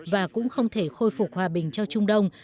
và cũng không thể khôi phục hòa bình cho trung đông